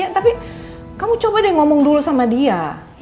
tapi kamu coba deh ngomong dulu sama dia